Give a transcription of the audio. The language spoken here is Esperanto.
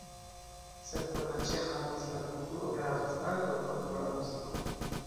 Sed por la ĉeĥa muzika kulturo gravas ankaŭ folklora muziko.